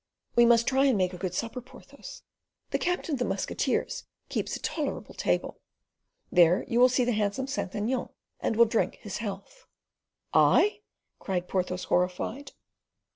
"We must try and make a good supper, Porthos. The captain of the musketeers keeps a tolerable table. There you will see the handsome Saint Aignan, and will drink his health." "I?" cried Porthos, horrified.